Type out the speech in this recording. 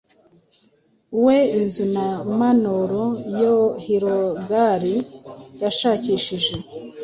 We inzu na manor ya Hrothgar yashakishije